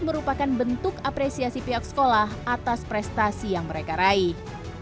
merupakan bentuk apresiasi pihak sekolah atas prestasi yang mereka raih